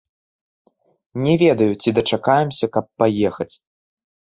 Не ведаю, ці дачакаемся, каб паехаць.